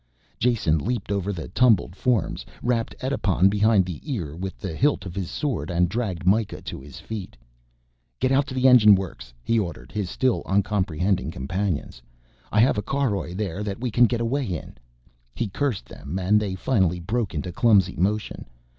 Jason leaped over the tumbled forms, rapped Edipon behind the ear with the hilt of his sword and dragged Mikah to his feet. "Get out to the engine works," he ordered his still uncomprehending companions. "I have a caroj there that we can get away in." He cursed them and they finally broke into clumsy motion.